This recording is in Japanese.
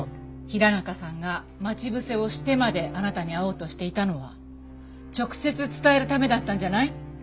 平中さんが待ち伏せをしてまであなたに会おうとしていたのは直接伝えるためだったんじゃない？